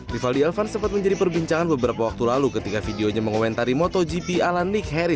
rivaldi elvan sempat menjadi perbincangan beberapa waktu lalu ketika videonya mengomentari motogp ala nick harry